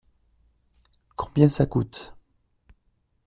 Combien ça coûte ?